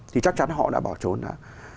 thì chắc chắn họ đã bỏ trốn đã